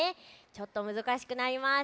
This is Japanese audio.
ちょっとむずかしくなります。